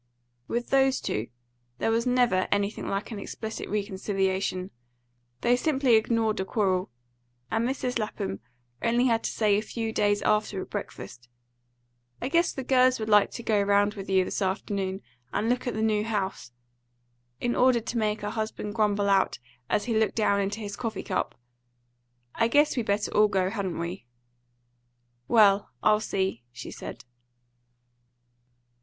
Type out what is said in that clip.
With those two there was never anything like an explicit reconciliation. They simply ignored a quarrel; and Mrs. Lapham had only to say a few days after at breakfast, "I guess the girls would like to go round with you this afternoon, and look at the new house," in order to make her husband grumble out as he looked down into his coffee cup. "I guess we better all go, hadn't we?" "Well, I'll see," she said.